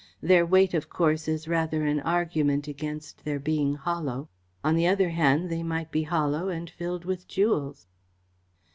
"Their weight, of course, is rather an argument against their being hollow. On the other hand, they might be hollow and filled with jewels."